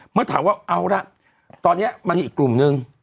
เมื่อถามว่าเอาละตอนนี้มันมีอีกกลุ่มนึง